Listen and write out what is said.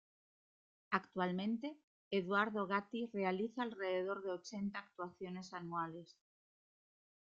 Actualmente Eduardo Gatti realiza alrededor de ochenta actuaciones anuales.